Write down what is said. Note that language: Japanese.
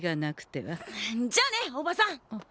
じゃあねおばさん！あっ。